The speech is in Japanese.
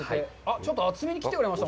ちょっと厚めに切ってくれました？